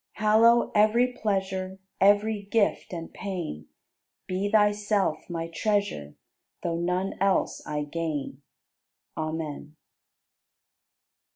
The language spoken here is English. Hallow every pleasure, Every gift and pain; Be Thyself my Treasure. Though none else I gain. Amen.